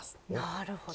なるほど。